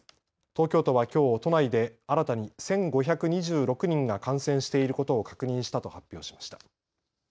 東京都はきょう都内で新たに１５２６人が感染していることを確認したと発表しました。